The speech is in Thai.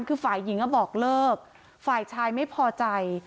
คือฝ่ายหญิงก็บอกเลิกฝ่ายชายไม่พอใจ